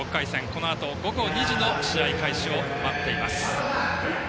このあと、午後２時の試合開始を待っています。